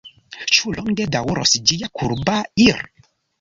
Ĉu longe daŭros ĝia kurba ir’?